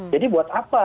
jadi buat apa